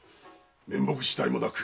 面目次第もなく。